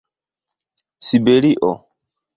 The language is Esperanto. siberio